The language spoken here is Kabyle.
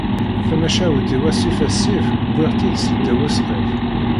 Tamacahut-iw asif asif, wwiɣ-tt-id seddaw usqif.